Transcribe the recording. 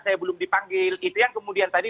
saya belum dipanggil itu yang kemudian tadi